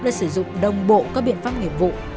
đã sử dụng đồng bộ các biện pháp nghiệp vụ